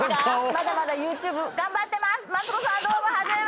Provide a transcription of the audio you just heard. まだまだＹｏｕＴｕｂｅ頑張ってます。